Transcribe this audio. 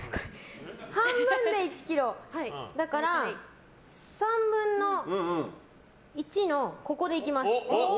半分で１ｋｇだから３分の１のここで行きます。